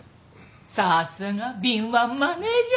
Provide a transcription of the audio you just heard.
さすが敏腕マネジャー。